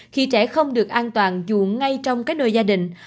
khi trẻ không được an toàn dù ngay trong cái nơi gia đình